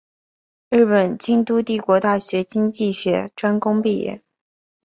日本京都帝国大学经济学专攻毕业。